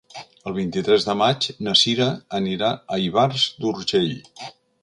El vint-i-tres de maig na Cira anirà a Ivars d'Urgell.